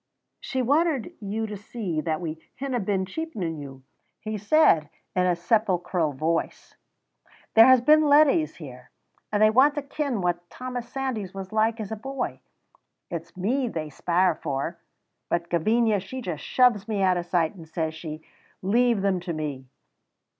She wanted you to see that we hinna been cheapening you." He said, in a sepulchral voice, "There has been leddies here, and they want to ken what Thomas Sandys was like as a boy. It's me they speir for, but Gavinia she just shoves me out o' sight, and says she, 'Leave them to me.'"